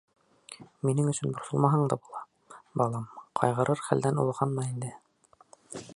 — Минең өсөн борсолмаһаң да була, балам, ҡайғырыр хәлдән уҙғанмын инде.